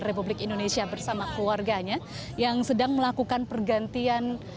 republik indonesia bersama keluarganya yang sedang melakukan pergantian